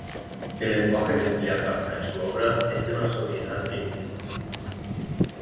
El lenguaje que emplea Kafka en su obra es de una sobriedad evidente.